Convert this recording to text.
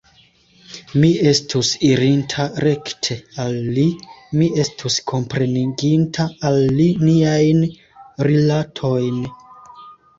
Mi estus irinta rekte al li; mi estus kompreniginta al li niajn rilatojn.